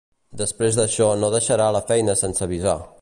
Després d'això no deixarà la feina sense avisar.